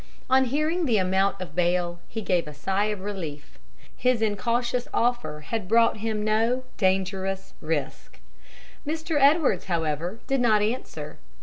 On hearing the amount of bail, he gave a sigh of relief. His incautious offer had brought him no dangerous risk. Mr. Edwards, however, did not answer.